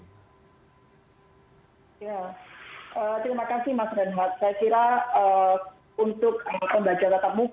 terima kasih mas renhat